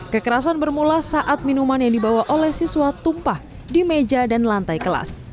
kekerasan bermula saat minuman yang dibawa oleh siswa tumpah di meja dan lantai kelas